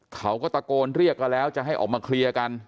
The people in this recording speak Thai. เขาก็ตะโกนเรียกกันแล้วจะให้ออกมาเคลียร์กัน